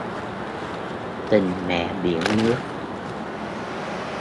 Tình mẹ biển nước